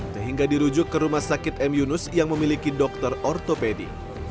sehingga dirujuk ke rumah sakit m yunus yang memiliki dokter ortopedi